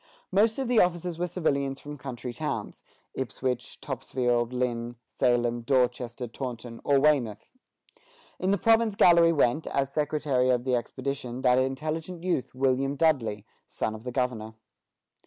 Most of the officers were civilians from country towns, Ipswich, Topsfield, Lynn, Salem, Dorchester, Taunton, or Weymouth. In the province galley went, as secretary of the expedition, that intelligent youth, William Dudley, son of the governor.